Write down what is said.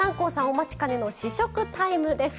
お待ちかねの試食タイムです。